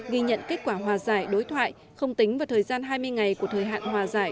ghi nhận kết quả hòa giải đối thoại không tính vào thời gian hai mươi ngày của thời hạn hòa giải